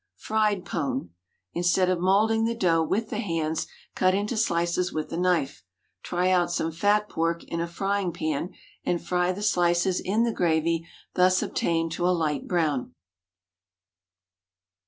FRIED PONE. Instead of moulding the dough with the hands, cut into slices with a knife. Try out some fat pork in a frying pan, and fry the slices in the gravy thus obtained to a light brown.